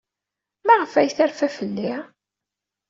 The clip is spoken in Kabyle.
Maɣef ay terfa fell-i?